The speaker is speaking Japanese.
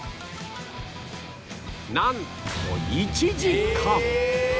なんと１時間！